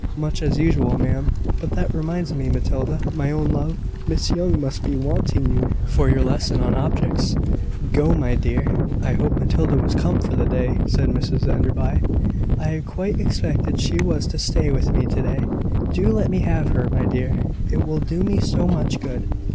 "Much as usual, ma'am. But that reminds me Matilda, my own love, Miss Young must be wanting you for your lesson on objects. Go, my dear." "I hoped Matilda was come for the day," said Mrs Enderby. "I quite expected she was to stay with me to day. Do let me have her, my dear: it will do me so much good."